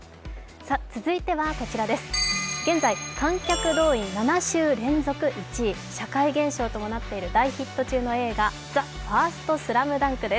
続いてはこちらです、現在、観客動員７週連続１位、社会現象ともなっている大ヒット中の映画「ＴＨＥＦＩＲＳＴＳＬＡＭＤＵＮＫ」です。